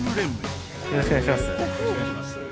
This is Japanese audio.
よろしくお願いします。